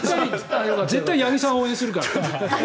絶対に八木さんを応援するから。